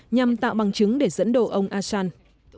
nhằm tạo bằng chứng để dẫn đồ ông assange